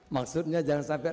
maksudnya jangan sampai